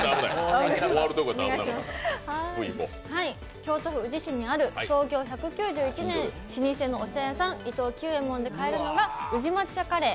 京都府宇治市にある早朝１９１年、老舗のお茶屋さん、伊藤久右衛門で買えるのが宇治抹茶カレー。